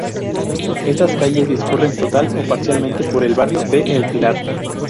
Estas calles discurren total o parcialmente por el barrio de El Pilar.